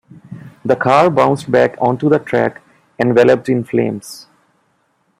The car bounced back onto the track, enveloped in flames.